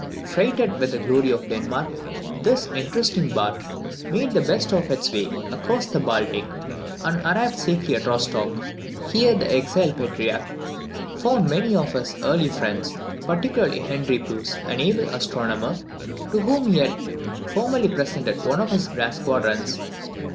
Freighted with the glory of Denmark, this interesting bark made the best of its way across the Baltic, and arrived safely at Rostoch. Here the exiled patriarch found many of his early friends, particularly Henry Bruce, an able astronomer, to whom he had formerly presented one of his brass quadrants.